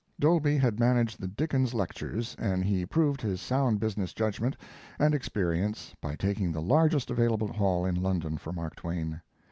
Dolby had managed the Dickens lectures, and he proved his sound business judgment and experience by taking the largest available hall in London for Mark Twain.